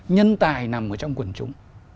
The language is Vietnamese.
nhân tài nằm ở trong quần chúng